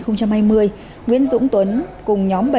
nguyễn dũng tuấn cùng nhóm